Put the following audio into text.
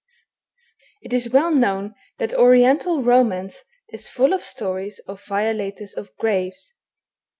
It is well known that Oriental romance is full of stories of violators of graves.